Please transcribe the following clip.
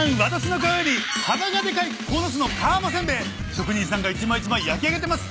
職人さんが一枚一枚焼き上げてます。